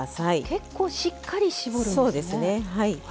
結構しっかり絞るんですね。